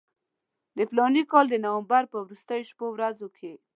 د فلاني کال د نومبر په وروستیو شپو ورځو کې.